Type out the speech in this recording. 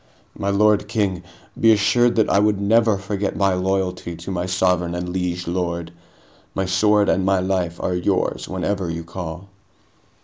"My lord king, be assured that I would never forget my loyalty to my sovereign and liege lord. My sword and my life are yours whenever you call."